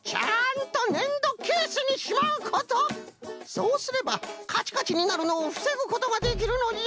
そうすればカチカチになるのをふせぐことができるのじゃ。